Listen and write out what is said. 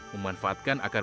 mohon maaf sajalah